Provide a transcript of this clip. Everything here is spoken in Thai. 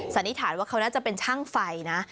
สันนิษฐานว่าเขาน่าจะเป็นช่างไฟนะ